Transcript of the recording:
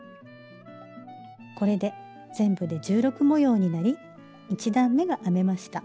これで全部で１６模様になり１段めが編めました。